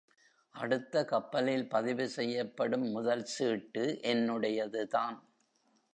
அடுத்த கப்பலில் பதிவு செய்யப்படும் முதல் சீட்டு என்னுடையதுதான்.